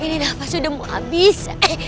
ini nafasnya udah mau habis